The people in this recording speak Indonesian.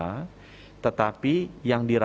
kita harus mencari yang lebih tinggi dari delta